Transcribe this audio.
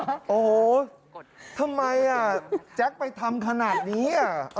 โอ้โหทำไมแจ๊คไปทำขนาดนี้